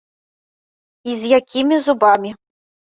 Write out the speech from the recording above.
І з якімі зубамі.